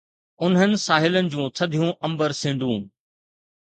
انهن ساحلن جون ٿڌيون امبر سينڊون